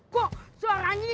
kok suaranya ini ketil